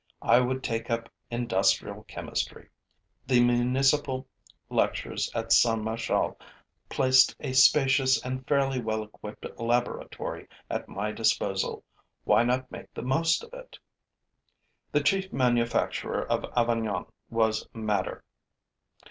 I would take up industrial chemistry. The municipal lectures at Saint Martial placed a spacious and fairly well equipped laboratory at my disposal. Why not make the most of it? The chief manufacture of Avignon was madder.